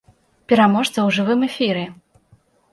Пераможца ў жывым эфіры!